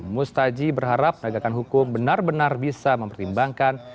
mustaji berharap penegakan hukum benar benar bisa mempertimbangkan